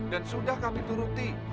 dan sudah kami turuti